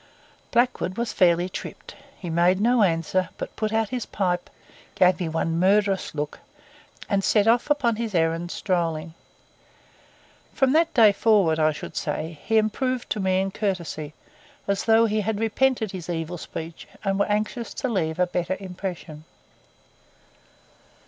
Blackwood was fairly tripped. He made no answer, but put out his pipe, gave me one murderous look, and set off upon his errand strolling. From that day forward, I should say, he improved to me in courtesy, as though he had repented his evil speech and were anxious to leave a better impression.